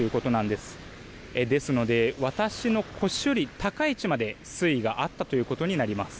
ですので私の腰より高い位置まで水位があったということになります。